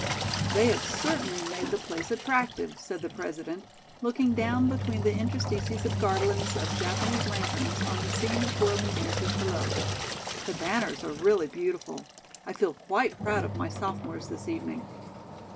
"They have certainly made the place attractive," said the President, looking down between the interstices of garlands of Japanese lanterns on the scene of whirling dancers below. "The banners are really beautiful. I feel quite proud of my sophomores this evening."